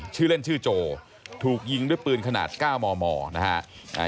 ชื่อเล่นชื่อโจถูกยิงด้วยปืนขนาด๙มมนะฮะ